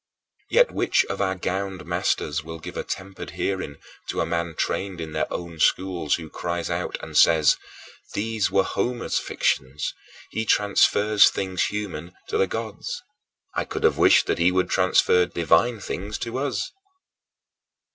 Yet which of our gowned masters will give a tempered hearing to a man trained in their own schools who cries out and says: "These were Homer's fictions; he transfers things human to the gods. I could have wished that he would transfer divine things to us."